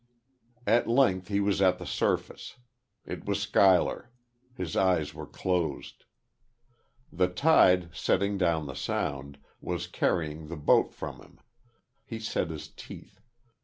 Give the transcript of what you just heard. At length he was at the surface. It was Schuyler. His eyes were closed. The tide, setting down the sound, was carrying the boat from him; he set his teeth.